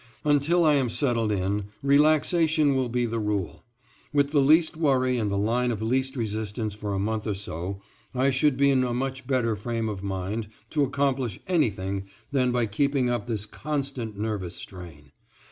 Until I am settled in relaxation will be the rule. With the least worry and the line of least resistence for a month or so I should be in a much better frame of mind to accomplish anything than by keeping up this constant nervous strain.